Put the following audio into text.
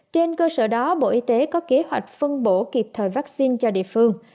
trên cơ sở đó bộ y tế có kế hoạch phân bổ kịp thời vaccine cho địa phương